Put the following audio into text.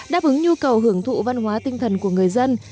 đáp ứng nhu cầu hưởng thụ văn hóa tinh thần của người dân